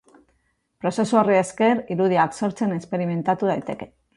Prozesu horri esker, irudiak sortzen esperimentatu daiteke.